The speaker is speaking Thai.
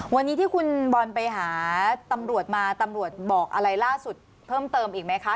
วันนี้ที่คุณบอลไปหาตำรวจมาตำรวจบอกอะไรล่าสุดเพิ่มเติมอีกไหมคะ